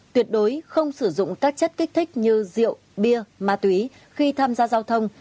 tuyệt đối không sử dụng các chất kích thích như rượu bia ma túy khi tham gia giao thông